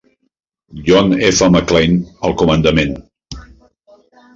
John F. McClain al comandament.